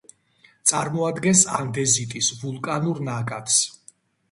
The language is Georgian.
წარმოადგენს ანდეზიტის ვულკანურ ნაკადს.